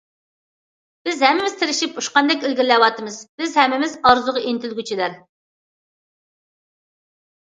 بىز ھەممىمىز تىرىشىپ ئۇچقاندەك ئىلگىرىلەۋاتىمىز، بىز ھەممىمىز ئارزۇغا ئىنتىلگۈچىلەر.